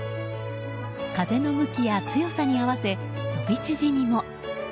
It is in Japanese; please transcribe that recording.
風の向きや強さに合わせ伸び縮みも。